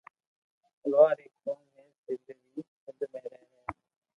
لوھار ايڪ قوم ھي سندھ مي رھي ھي